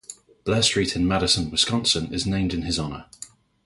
Blair Street in Madison, Wisconsin is named in his honor.